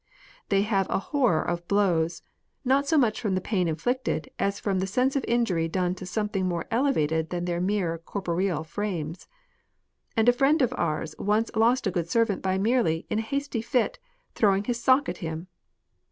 They have a horror of blows, not so much from the pain inflicted, as from the sense of injury done to something more elevated than their mere corporeal frames ; and a friend of ours once lost a good servant by merely, in a hasty fit, throwing his sock at him.